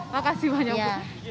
makasih banyak bu